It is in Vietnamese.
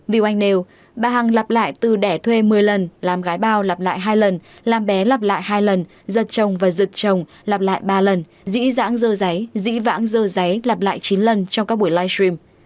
viu anh nêu bà hằng lặp lại từ đẻ thuê một mươi lần làm gái bao lặp lại hai lần làm bé lặp lại hai lần giật chồng và giật chồng lặp lại ba lần dĩ dãng dơ giấy dĩ vãng dơ giấy lặp lại chín lần trong các buổi livestream